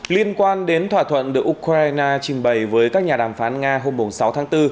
liên quan đến thỏa thuận được ukraine trình bày với các nhà đàm phán nga hôm sáu tháng bốn